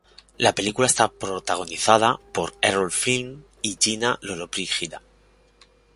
La película está protagonizada por Errol Flynn y Gina Lollobrigida.